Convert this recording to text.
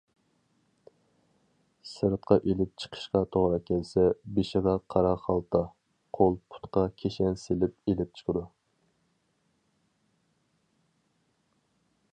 سىرتقا ئېلىپ چىقىشقا توغرا كەلسە، بېشىغا قارا خالتا، قول-پۇتقا كىشەن سېلىپ ئېلىپ چىقىدۇ.